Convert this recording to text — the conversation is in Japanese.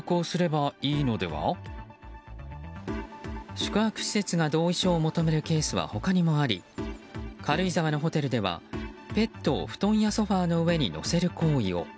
宿泊施設が同意書を求めるケースは、他にもあり軽井沢のホテルではペットを布団やソファの上に乗せる行為を。